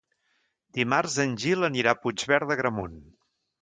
Dimarts en Gil anirà a Puigverd d'Agramunt.